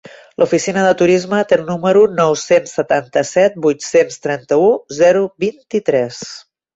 L'Oficina de Turisme té el número nou-cents setanta-set vuit-cents trenta-u zero vint-i-tres.